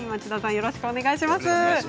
よろしくお願いします。